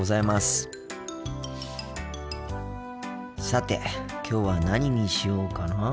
さてきょうは何にしようかなあ。